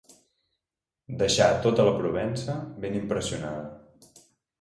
Deixà tota la Provença ben impressionada.